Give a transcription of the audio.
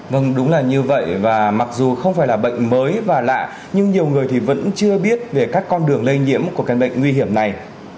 vâng đúng là như vậy và mặc dù không phải là bệnh mới và lạ nhưng nhiều người thì vẫn chưa biết về các con đường lây nhiễm của căn bệnh nguy hiểm này